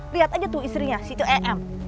lihat aja tuh istrinya si itu em